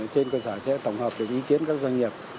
trên cơ sở sẽ tổng hợp được ý kiến các doanh nghiệp